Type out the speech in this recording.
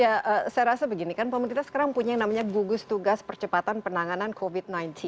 ya saya rasa begini kan pemerintah sekarang punya yang namanya gugus tugas percepatan penanganan covid sembilan belas